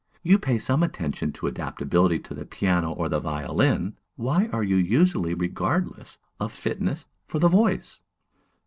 You pay some attention to adaptability to the piano or the violin: why are you usually regardless of fitness for the voice?